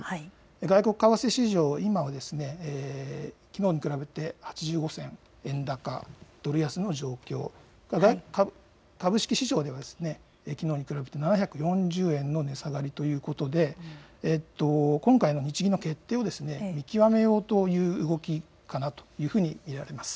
外国為替市場、今はきのうに比べて８５銭円高ドル安の状況、株式市場はきのうに比べて７４０円の値下がりということで今回の日銀の決定を見極めようという動きかなと見られます。